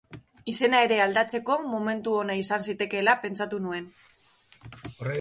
Izena ere aldatzeko momentu ona izan zitekeela pentsatu nuen.